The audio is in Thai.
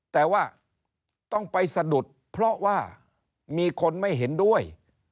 แต่ว่าต้องไปสะดุดเพราะว่ามีคนไม่เห็นด้วย